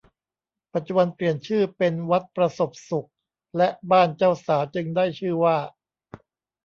ปัจจุบันเปลี่ยนชื่อเป็นวัดประสบสุขและบ้านเจ้าสาวจึงได้ชื่อว่า